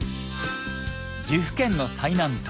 岐阜県の最南端